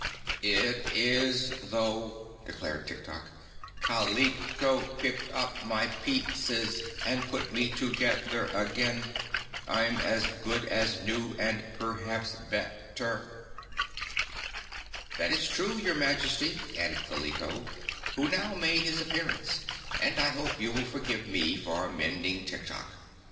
"It is, though," declared Tiktok. "Kal i ko picked up my piec es and put me to geth er a gain. I'm as good as new, and perhaps bet ter." "That is true, your Majesty," added Kaliko, who now made his appearance, "and I hope you will forgive me for mending Tiktok.